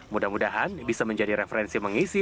mudah mudahan bisa menjadi referensi mengisi